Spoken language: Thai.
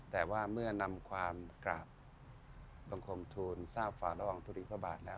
แต่ว่าเมื่อนำความกราบบังคมทูลทราบฝ่าระหว่างทุลีพระบาทแล้ว